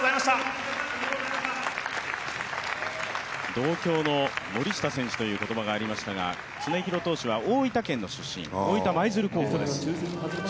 同郷の森下選手という言葉もありましたが、常廣投手は大分県の出身、大分舞鶴高校の出身です。